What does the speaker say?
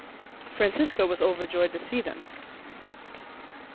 Francisco was overjoyed to see them.